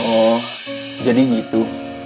oh jadi itu